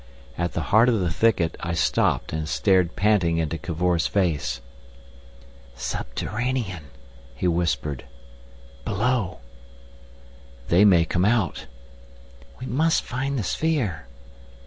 At the heart of the thicket I stopped, and stared panting into Cavor's face. "Subterranean," he whispered. "Below." "They may come out." "We must find the sphere!"